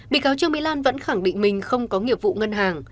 bị cáo trương mỹ lan vẫn khẳng định mình không có nghiệp vụ ngân hàng